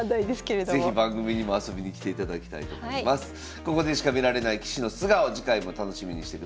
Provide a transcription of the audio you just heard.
ここでしか見られない棋士の素顔次回も楽しみにしてください。